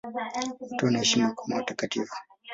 Wote wanaheshimiwa kama watakatifu.